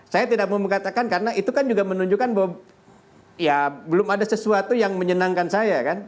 saya tidak mau mengatakan karena itu kan juga menunjukkan bahwa ya belum ada sesuatu yang menyenangkan saya kan